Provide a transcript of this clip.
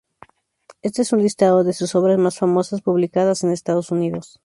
Este es un listado de sus obras más famosas publicadas en Estados Unidos.